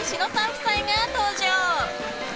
夫妻が登場！